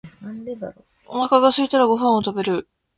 お腹がすいたらご飯を食べる。